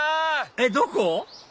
えっどこ？